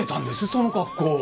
その格好。